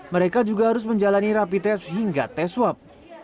mereka juga harus menjalani rapi tes hingga tes swab